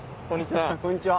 こんにちは。